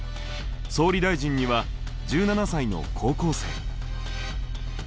総理大臣には１７才の高校生。